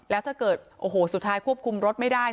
แล้วถ้าเกิดโอ้โหสุดท้ายควบคุมรถไม่ได้